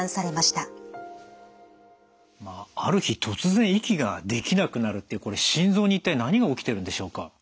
ある日突然息ができなくなるってこれ心臓に一体何が起きてるんでしょうか？